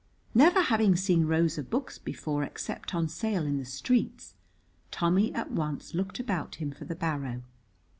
Never having seen rows of books before except on sale in the streets, Tommy at once looked about him for the barrow.